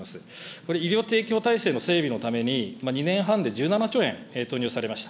これ、医療提供体制の整備のために、２年半で１７兆円投入されました。